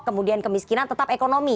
kemudian kemiskinan tetap ekonomi